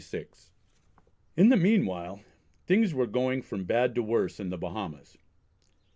In the meanwhile things were going from bad to worse in the Bahamas.